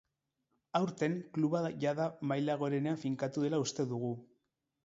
Aurten, kluba jada maila gorenean finkatu dela uste dugu.